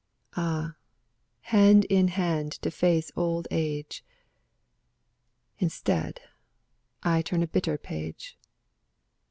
Ah, hand in hand to face old age! — Instead, I turn a bitter page.